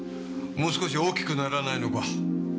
もう少し大きくならないのか？